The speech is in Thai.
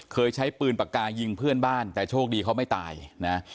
เคยใช้ปืนปากกายิงเพื่อนบ้านแต่โชคดีเขาไม่ตายนะ